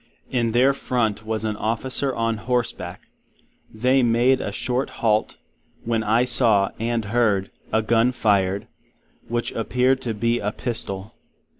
In their Front was an Officer on Horse back. They made a Short Halt; when I saw, and heard, a Gun fired, which appeared to be a Pistol.